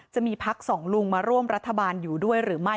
จะมีพักสองลุงมาร่วมรัฐบาลอยู่ด้วยหรือไม่